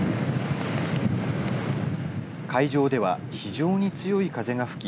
海上では非常に強い風が吹き